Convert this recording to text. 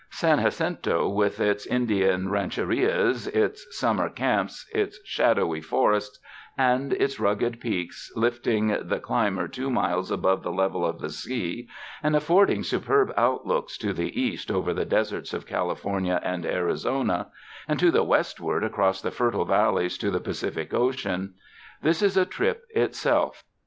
San Jacinto, with its Indian rancherias, its sum mer camps, its shadowy forests, and its rugged peaks lifting the climber two miles above the level of the sea and aifording superb outlooks to the east over the deserts of California and Arizona and to the westward across fertile valleys to the Pacific Ocean — this is a trip to itself.